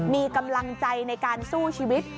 มีกำลังใจในการสู้ชีวิต